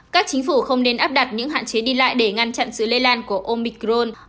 các chính phủ không nên áp đặt những hạn chế đi lại để ngăn chặn sự lây lan của omicron